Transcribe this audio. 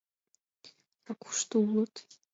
— А кушто улыт?